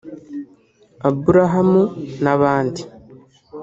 Abulahamu n’abandi